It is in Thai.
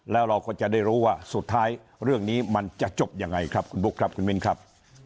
แล้วเราก็จะได้รู้ว่าสุดท้ายเรื่องนี้มันจะจบยังไงครับคุณบุ๊คครับคุณมิ้นครับ